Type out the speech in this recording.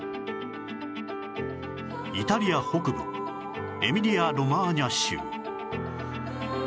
イタリア北部エミリア・ロマーニャ州